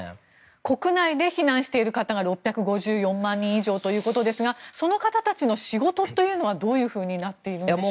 国内で避難している方が６５４万人以上ということですがその方たちの仕事というのはどういうふうになっているんでしょう。